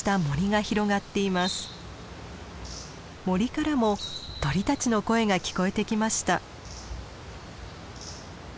森からも鳥たちの声が聞こえてきました。